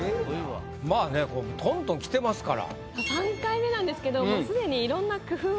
まあねトントンきてますから。